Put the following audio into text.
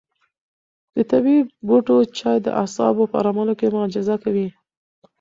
د طبیعي بوټو چای د اعصابو په ارامولو کې معجزه کوي.